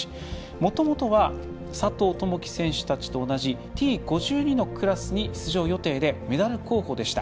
もともとは佐藤友祈選手たちと同じＴ５２のクラスに出場予定でメダル候補でした。